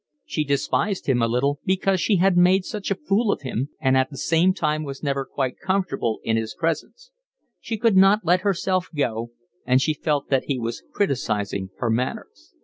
She despised him a little because she had made such a fool of him, and at the same time was never quite comfortable in his presence; she could not let herself go, and she felt that he was criticising her manners.